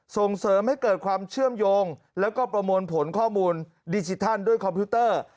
ส่งเสริมให้เกิดความเชื่อมโยงแล้วก็ประมวลผลข้อมูลดิจิทัลด้วยคอมพิวเตอร์